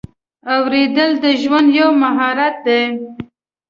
اورېدل د ژوند یو مهارت دی.